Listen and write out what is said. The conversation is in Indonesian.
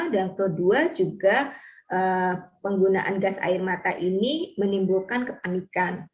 dan kedua juga penggunaan gas air mata ini menimbulkan kepanikan